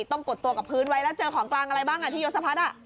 กดตัวกับพื้นไว้แล้วเจอของกลางอะไรบ้างที่ยศพัฒน์